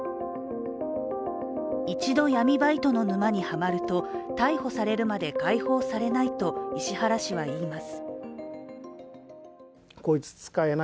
一度、闇バイトの沼にハマると逮捕されるまで解放されないと石原氏は言います。